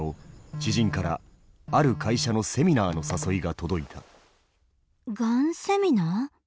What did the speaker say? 知人からある会社のセミナーの誘いが届いた。